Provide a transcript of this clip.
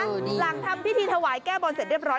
หลังทำพิธีถวายแก้บนเสร็จเรียบร